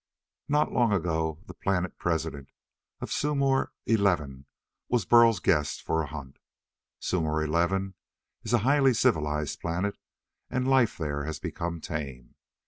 Not long ago the Planet President of Sumor XI was Burl's guest for a hunt. Sumor XI is a highly civilized planet, and life there has become tame.